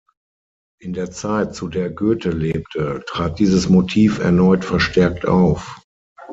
In der Zeit zu der Goethe lebte, trat dieses Motiv erneut verstärkt auf.